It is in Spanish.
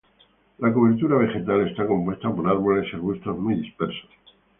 La cobertura vegetal está compuesta por árboles y arbustos muy dispersos.